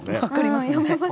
分かりますよね。